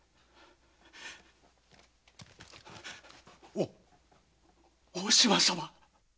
お大島様。